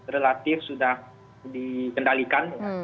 relatif sudah dikendalikan